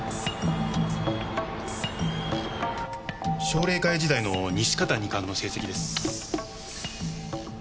奨励会時代の西片二冠の成績です。